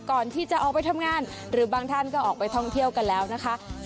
ก่อนที่จะออกไปทำงานหรือบางท่านก็ออกไปท่องเที่ยวกันแล้วนะคะ